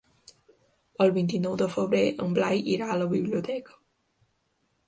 El vint-i-nou de febrer en Blai irà a la biblioteca.